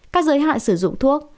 các giới hạn sử dụng thuốc